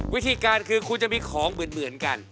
วิธีการคือคุณจะมีของเหมือนกัน